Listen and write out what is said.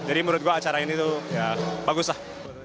jadi menurut gue acara ini tuh ya bagus lah